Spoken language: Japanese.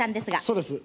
そうです。